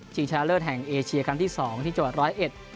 ชิงชะเลิศแห่งเอเชียครั้งที่๒ที่จังหวัด๑๐๑